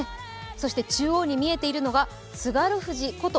そして中央に見えているのが津軽冨士こと